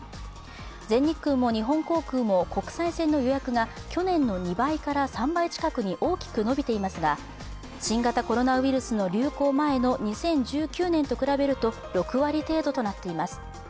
全日空も日本航空も国際線の予約が２倍から３倍に大きく伸びていますが、新型コロナウイルスの流行前の２０１９年と比べると、６割程度となっています。